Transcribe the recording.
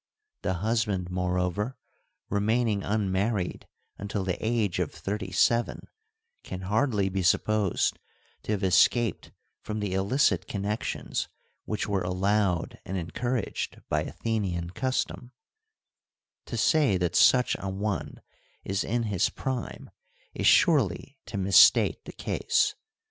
The husband, moreover, remaining unmarried until the age of thirty seven, can hardly be supposed to have escaped from the illicit connections which were allowed and encouraged by Athenian custom : to say that such an one is in his prime is surely to mis state the case.